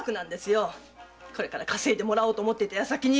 これから稼いでもらおうと思っていた矢先に！